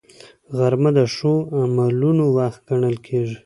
غرمه د ښو عملونو وخت ګڼل کېږي